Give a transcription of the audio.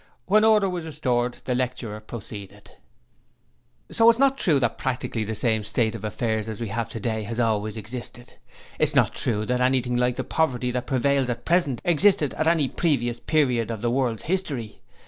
When order was restored, the lecturer proceeded: 'So it is not true that practically the same state of affairs as we have today has always existed. It is not true that anything like the poverty that prevails at present existed at any previous period of the world's history.